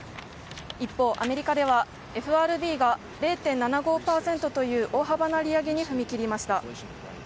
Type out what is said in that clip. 一方、アメリカではＦＲＢが０．７５％という大幅な利上げに踏み切りました。